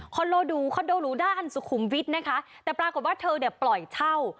คอนโดดูคอนโดหรูด้านสุขุมวิทย์แต่ปรากฏว่าเธอปล่อยเช่า